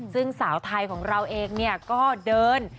ซึ่งสาวไทยของเราเองก็เดิน